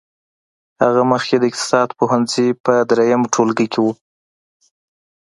هغه مخکې د اقتصاد پوهنځي په دريم ټولګي کې وه.